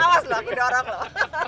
awas loh muda orang loh